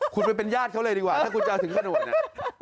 คุณควรเป็นญาติเค้าเลยดีกว่าถ้าคุณจะถึงกระโนดนี้